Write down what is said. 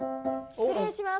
失礼します。